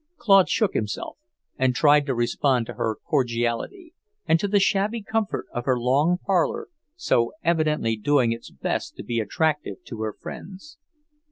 Claude shook himself and tried to respond to her cordiality, and to the shabby comfort of her long parlour, so evidently doing its best to be attractive to her friends.